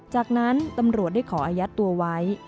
จากนั้นตำรวจได้ขออายัดตัวไว้